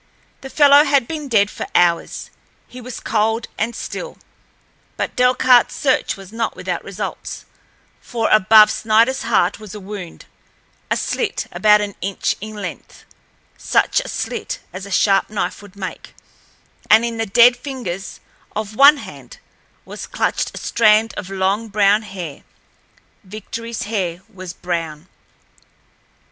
The fellow had been dead for hours—he was cold and still. But Delcarte's search was not without results, for above Sniderl's heart was a wound, a slit about an inch in length—such a slit as a sharp knife would make, and in the dead fingers of one hand was clutched a strand of long brown hair—Victoryl's hair was brown.